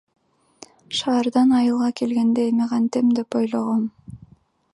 Шаардан айылга келгенде эми кантем деп ойлогом.